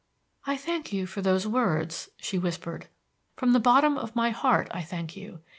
"I thank you for those words," she whispered. "From the bottom of my heart I thank you.